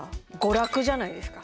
娯楽じゃないですか？